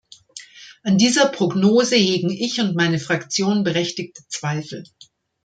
An dieser Prognose hegen ich und meine Fraktion berechtigte Zweifel.